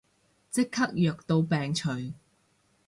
即刻藥到病除